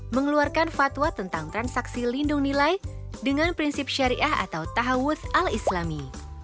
mengeluarkan fatwa tentang transaksi lindung nilai dengan prinsip syariah atau tahawut al islami